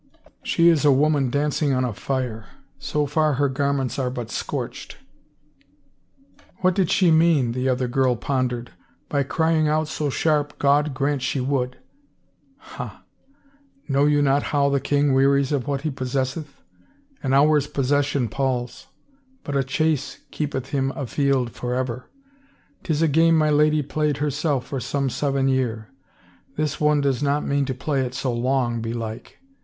She is a 308 RUMORS woman dancing on a fire. So far her garments are but scorched —"" What did she mean," the. other girl pondered, by crying out so sharp, ' God grant she would '?"" Ha ! Know you not how the king wearies of what he possesseth? An hour's possession palls — but a chase keepeth him afield forever. 'Tis a game my lady played herself for some seven year — this one does not mean to play it so long, belike.